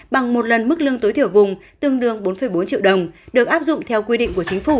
bằng một lần mức lương tối thiểu vùng tương đương bốn bốn triệu đồng được áp dụng theo quy định của chính phủ